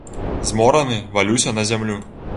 Змораны валюся на зямлю.